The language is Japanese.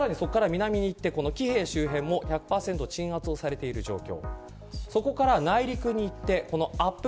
さらに南に行ってキヘイ周辺も１００％鎮圧されている状況。